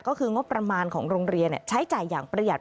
ก็คืองบประมาณของโรงเรียนใช้จ่ายอย่างประหยัด